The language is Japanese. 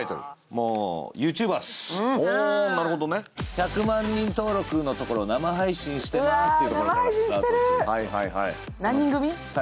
１００万人登録のところ、生配信していますというところで入る。